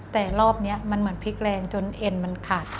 แต่รอบนี้มันเหมือนพลิกแรงจนเอ็นมันขาด